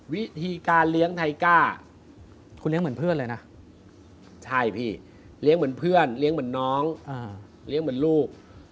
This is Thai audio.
วิธีการเลี้ยงไทก้าคุณเลี้ยงเหมือนเพื่อนเลยนะใช่พี่เลี้ยงเหมือนเพื่อนเลี้ยงเหมือนน้องเลี้ยงเหมือนลูก